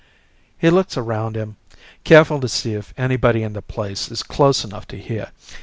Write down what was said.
He looks around him, careful to see if anybody in the place is close enough to hear.